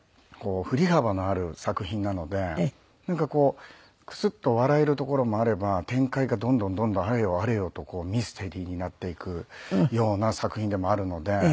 振り幅のある作品なのでなんかこうクスッと笑えるところもあれば展開がどんどんどんどんあれよあれよとミステリーになっていくような作品でもあるので。